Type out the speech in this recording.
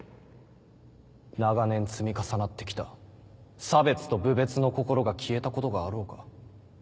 長年積み重なって来た差別と侮蔑の心が消えたことがあろうか。